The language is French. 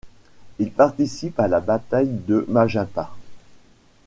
Il participe à la bataille de Magenta.